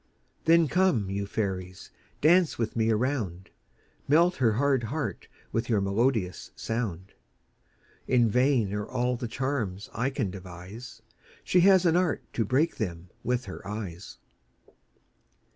Then come, you fairies, dance with me a round; Melt her hard heart with your melodious sound. In vain are all the charms I can devise; She hath an art to break them with her eyes.